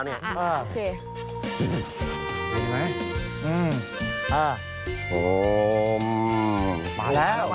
เห็นไหมมาแล้ว